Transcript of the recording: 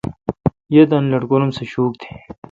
یی تانی لٹکورو ام سہ شوک تیں۔